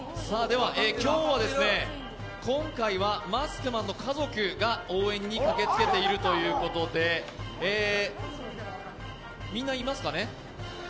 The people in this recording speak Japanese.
今回はマスクマンの家族が応援に駆けつけているということで、みんないますかね？